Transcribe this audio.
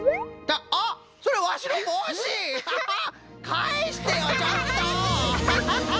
かえしてよちょっと！